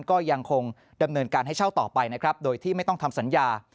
ก็ยังคงดำเนินการให้เช่าต่อไปนะครับโดยที่ไม่ต้องทำสัญญา